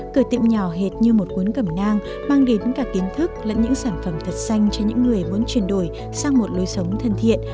cửa tiệm nhỏ hệt như một cuốn cẩm nang mang đến cả kiến thức lẫn những sản phẩm thật xanh cho những người muốn chuyển đổi sang một lối sống thân thiện